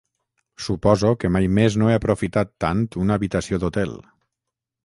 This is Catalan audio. Suposo que mai més no he aprofitat tant una habitació d'hotel.